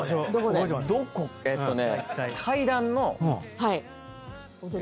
えっとね。